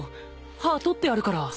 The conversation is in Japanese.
歯取ってあるから。